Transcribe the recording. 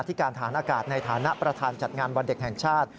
ที่การฐานอากาศในฐานะประธานจัดงานวันเด็กแห่งชาติ